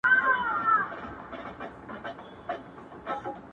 او که يې اخلې نو آدم اوحوا ولي دوه وه.